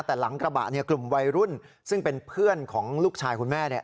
แต่หลังกระบะเนี่ยกลุ่มวัยรุ่นซึ่งเป็นเพื่อนของลูกชายคุณแม่เนี่ย